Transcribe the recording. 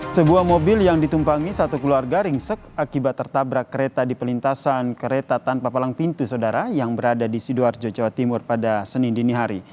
sebuah mobil yang ditumpangi satu keluarga ringsek akibat tertabrak kereta di pelintasan kereta tanpa palang pintu saudara yang berada di sidoarjo jawa timur pada senin dinihari